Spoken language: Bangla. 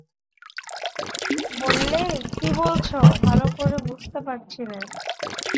বললে, কী বলছ, ভালো বুঝতে পারছি নে।